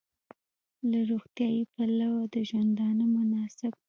له روغتیايي پلوه د ژوندانه مناسب